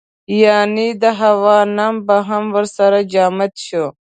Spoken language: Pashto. یعنې د هوا نم به هم ورسره جامد شو.